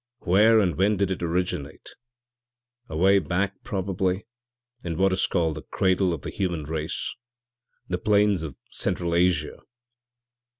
Where and when did it originate? Away back, probably, in what is called the cradle of the human race the plains of Central Asia.